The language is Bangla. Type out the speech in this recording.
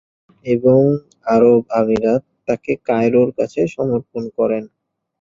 এবং আরব আমিরাত তাকে কায়রোর কাছে সমর্পণ করেন।